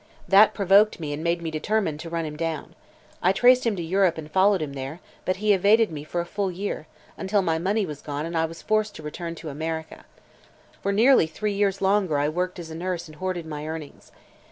That provoked me and made me determined to run him down. I traced him to Europe and followed him there, but he evaded me for a full year, until my money was gone and I was forced to return to America. For nearly three years longer I worked as a nurse and hoarded my earnings.